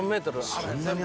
あれ全部？